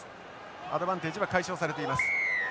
アドバンテージは解消されています。